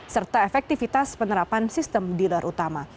serta efektivitas penerapan sistem dealer utama